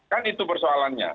kan itu persoalannya